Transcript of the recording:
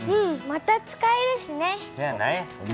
また使えるしね。